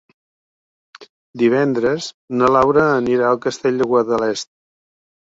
Divendres na Laura anirà al Castell de Guadalest.